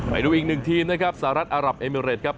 ไปดูอีกหนึ่งทีมนะครับสหรัฐอารับเอมิเรตครับ